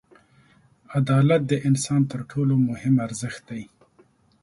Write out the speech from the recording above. • عدالت د انسان تر ټولو مهم ارزښت دی.